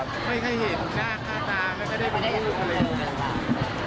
ไม่เคยเห็นหน้ากากตาไม่เคยได้พูด